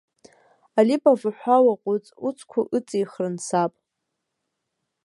Алибов уҳәа уаҟәыҵ, уцқәа ыҵихрын саб.